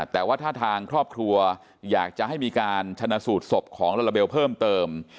แต่ว่าถ้าทางครอบครัวอยากจะให้มีการชนะสูตรศพของลาลาเบลเพิ่มเติม